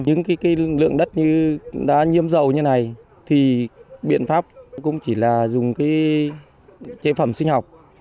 những lượng đất như đã nhiễm dầu như này thì biện pháp cũng chỉ là dùng cái chế phẩm sinh học